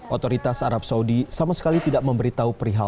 otoritas arab saudi sama sekali tidak memberitahu perihal